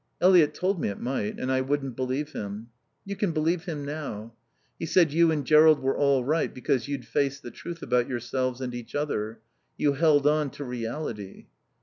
"Eliot told me it might. And I wouldn't believe him." "You can believe him now. He said you and Jerrold were all right because you'd faced the truth about yourselves and each other. You held on to reality."